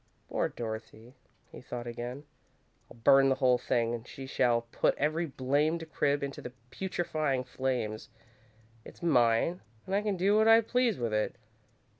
"Poor Dorothy," he thought again. "I'll burn the whole thing, and she shall put every blamed crib into the purifying flames. It's mine, and I can do what I please with it.